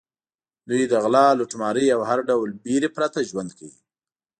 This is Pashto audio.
دوی له غلا، لوټمارۍ او هر ډول وېرې پرته ژوند کوي.